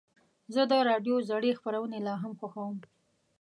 زه د راډیو زړې خپرونې لا هم خوښوم.